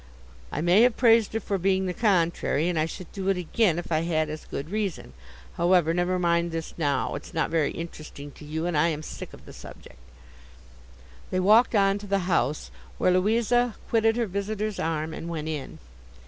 I may have praised her for being the contrary, and I should do it again, if I had as good reason. However, never mind this now; it's not very interesting to you, and I am sick of the subject.' They walked on to the house, where Louisa quitted her visitor's arm and went in.